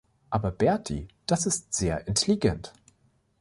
Aber Bertie, das ist sehr intelligent.